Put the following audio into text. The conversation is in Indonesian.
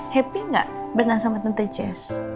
happy gak bernafas sama tante jess